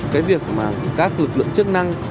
cái việc mà các lực lượng chức năng